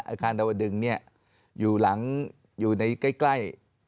อาคารดาวดึงอยู่ใกล้